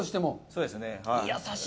そうですね。